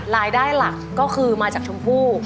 รายได้หลักก็คือมาจากชมพู่